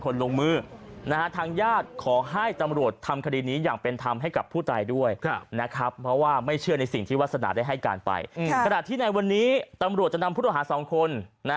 ขนาดที่ในวันนี้ตำรวจจะนำผู้ต่อหาสองคน